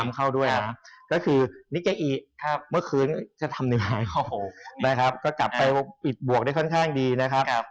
ก็เลยแกะบวกได้ค่อนข้างดีนะครับ